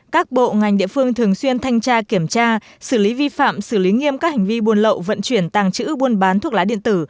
các bộ ngành địa phương thường xuyên thanh tra kiểm tra xử lý vi phạm xử lý nghiêm các hành vi buôn lậu vận chuyển tàng trữ buôn bán thuốc lá điện tử